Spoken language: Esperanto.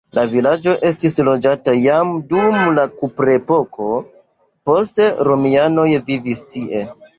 La vilaĝo estis loĝata jam dum la kuprepoko, poste romianoj vivis tie.